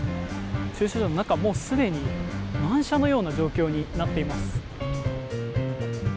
駐車場の中はすでに満車のような状況になっています。